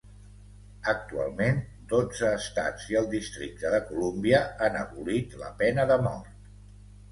Actualment dotze estats i el Districte de Colúmbia han abolit la pena de mort.